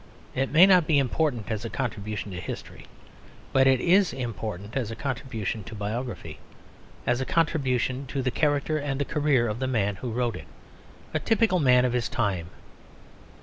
It may not be important as a contribution to history, but it is important as a contribution to biography; as a contribution to the character and the career of the man who wrote it, a typical man of his time.